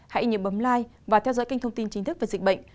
hãy nhớ bấm like và theo dõi kênh thông tin chính thức về dịch bệnh